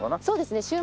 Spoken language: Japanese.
そうですね。